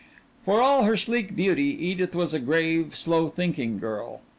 For all her sleek beauty, Edith was a grave, slow thinking girl.